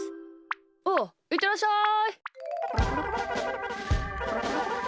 おういってらっしゃい。